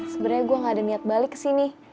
sebenernya gue gak ada niat balik kesini